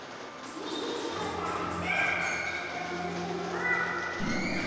みぎにふたつ。